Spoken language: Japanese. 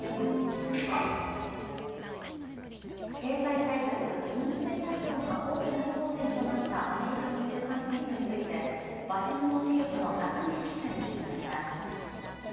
経済対策、インフレ対応が大きな争点となったアメリカの中間選挙についてワシントン支局の中西記者に聞きました。